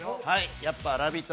やっぱ「ラヴィット！」